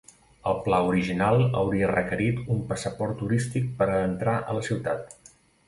El pla original hauria requerit un "passaport turístic" per a entrar a la ciutat.